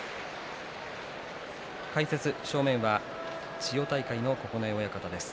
解説正面は千代大海の九重親方です。